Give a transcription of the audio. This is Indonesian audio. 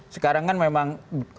sekarang kan memang